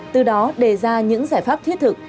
từ đó đề ra những giải pháp thiết thực